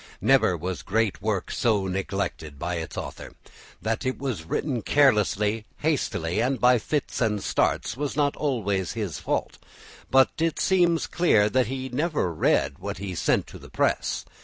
Never was great work so neglected by its author. That it was written carelessly, hastily, and by fits and starts, was not always his fault, but it seems clear he never read what he sent to the press.